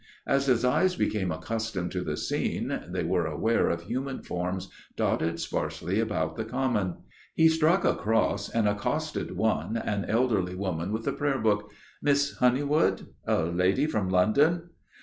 As his eyes became accustomed to the scene they were aware of human forms dotted sparsely about the common. He struck across and accosted one, an elderly woman with a prayer book. "Miss Honeywood? A lady from London?"